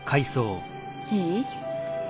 いい？